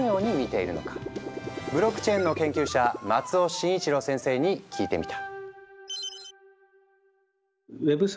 ブロックチェーンの研究者松尾真一郎先生に聞いてみた。